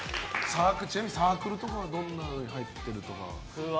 ちなみにサークルとかはどんなのに入ってるとかは？